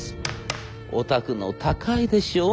「お宅の高いでしょ。